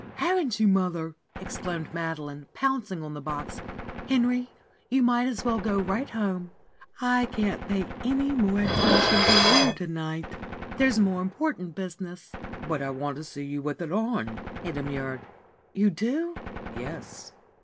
Haven't you, mother?" exclaimed Madeline, pouncing on the box. "Henry, you might as well go right home. I can't pay any more attention to you to night. There's more important business." "But I want to see you with it on," he demurred. "You do?" "Yes."